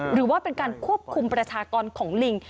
หรือว่าเป็นการควบคุมประชากรของลิง